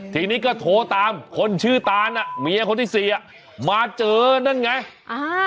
ทีนี้ก็โทรตามคนชื่อตานอ่ะเมียคนที่สี่อ่ะมาเจอนั่นไงอ่า